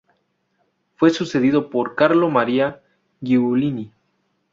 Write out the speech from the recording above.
Fue sucedido por Carlo Maria Giulini.